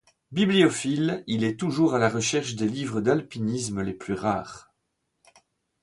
Bibliophile, il est toujours à la recherche des livres d'alpinisme les plus rares.